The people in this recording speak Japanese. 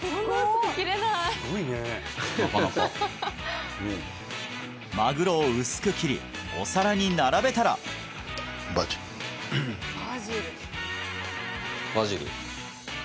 なかなかマグロを薄く切りお皿に並べたらバジル？